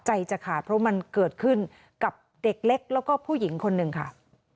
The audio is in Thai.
จะขาดเพราะมันเกิดขึ้นกับเด็กเล็กแล้วก็ผู้หญิงคนหนึ่งค่ะ